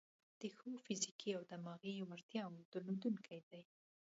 د ښو فزیکي او دماغي وړتیاوو درلودونکي دي.